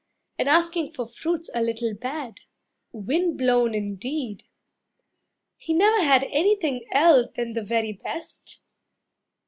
And asking for fruits a little bad. Wind blown indeed! He never had Anything else than the very best.